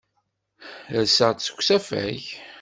Rseɣ-d seg usafag.